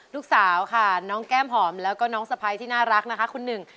ลูกสาวค่ะน้องแก้มหอมแล้วก็น้องสะพ้ายที่น่ารักนะคะคุณหนึ่ง